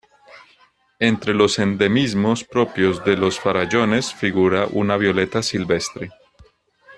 Entre los endemismos propios de los Farallones figura una violeta silvestre.